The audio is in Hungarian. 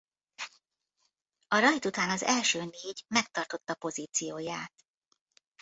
A rajt után az első négy megtartotta pozícióját.